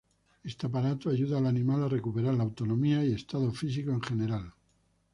Este aparato ayuda al animal a recuperar la autonomía y estado físico en general.